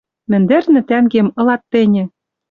Мӹндӹрнӹ, тӓнгем, ылат тӹньӹ